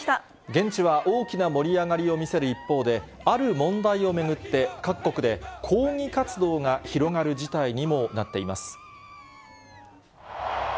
現地は大きな盛り上がりを見せる一方で、ある問題を巡って、各国で抗議活動が広がる事態にもなっています。